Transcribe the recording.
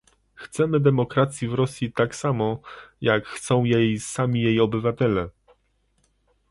Chcemy demokracji w Rosji tak samo, jak chcą jej sami jej obywatele